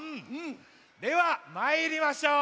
ではまいりましょう。